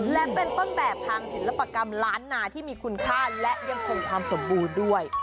และเป็นต้นแบบทางศิลปกรรมล้านนาที่มีคุณค่าและยังคงความสมบูรณ์ด้วย